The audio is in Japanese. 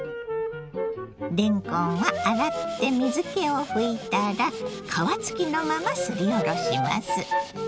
れんこんは洗って水けをふいたら皮付きのまますりおろします。